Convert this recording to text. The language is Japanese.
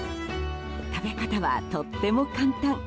食べ方はとても簡単。